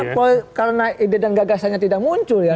poin karena ide dan gagasannya tidak muncul ya